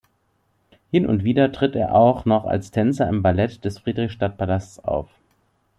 Hin und wieder tritt er auch noch als Tänzer im Ballett des Friedrichstadt-Palasts auf.